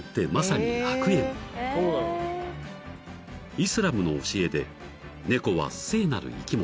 ［イスラムの教えで猫は聖なる生き物］